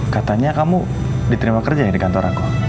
katanya kamu diterima kerja nih di kantor aku